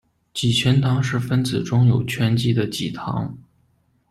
己醛糖是分子中有醛基的己糖。